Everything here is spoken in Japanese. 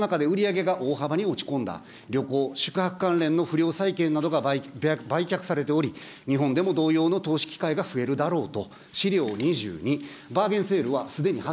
欧州では、売り上げが大幅に落ち込んだ、旅行、宿泊関連の不良債権などが売却されており、日本でも同様の投資機会が増えるだろうと。